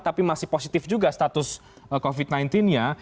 tapi masih positif juga status covid sembilan belas nya